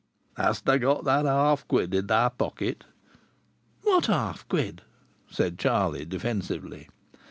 "Hast got that half quid in thy pocket?" "What half quid?" said Charlie, defensively.